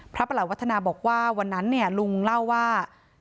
พระประหลักวัฒนาบอกว่าวันนั้นเนี่ยลุงเล่าว่า